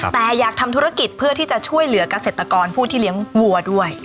แต่อยากทำธุรกิจเพื่อที่จะช่วยเหลือกเกษตรกรผู้ที่เลี้ยงวัวด้วย